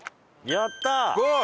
やったー！